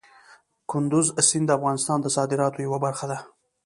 کندز سیند د افغانستان د صادراتو یوه برخه ده.